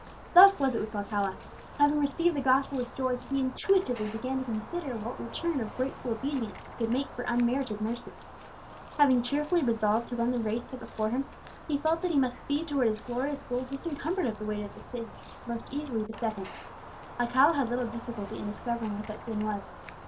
Thus was it with Alcala. Having received the gospel with joy, he intuitively began to consider what return of grateful obedience he could make for unmerited mercy. Having cheerfully resolved to run the race set before him, he felt that he must speed towards his glorious goal disencumbered of the weight of the sin which most easily beset him. Alcala had little difficulty in discovering what that sin was.